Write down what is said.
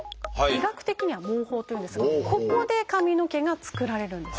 医学的には「毛包」というんですがここで髪の毛が作られるんですよね。